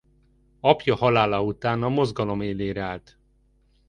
Apja halála után a mozgalom élére állt.